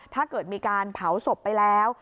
ถ้าเกิดมีการเผาศพไปแล้ว